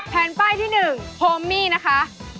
แผ่นป้ายที่๑โฮมมี่นะคะ